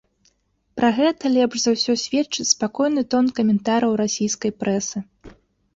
Пра гэта лепш за ўсё сведчыць спакойны тон каментараў расійскай прэсы.